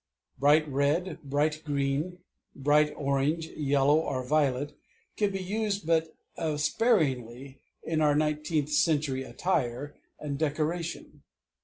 Bright red, bright green, bright orange, yellow, or violet, can be used but sparingly in our nineteenth century attire and decoration.